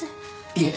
いえ。